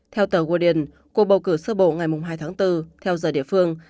theo tờ olyden cuộc bầu cử sơ bộ ngày hai tháng bốn theo giờ địa phương